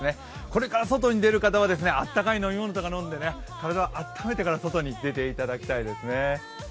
これから外に出る方はあったかい飲み物とか飲んで体を温めてから外に出ていただきたいですね。